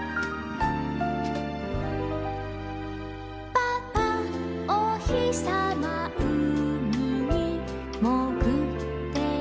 「パパおひさまうみにもぐっていくよ」